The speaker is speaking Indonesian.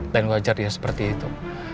wajar dia seperti itu